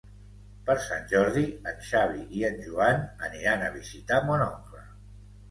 Per Sant Jordi en Xavi i en Joan aniran a visitar mon oncle.